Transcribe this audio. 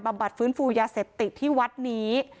บัดฟื้นฟูยาเสพติดที่วัดนี้